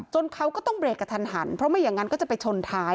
เขาก็ต้องเรกกระทันหันเพราะไม่อย่างนั้นก็จะไปชนท้าย